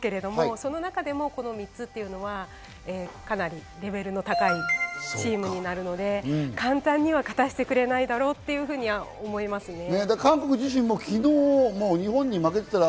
どこも強いんですけれども、その中でもこの３つはかなりレベルの高いチームになるので、簡単には勝たせてくれないだろうというふうには思います。